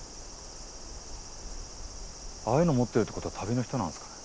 ああいうの持ってるってことは旅の人なんですかね。